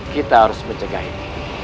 kita harus mencegah ini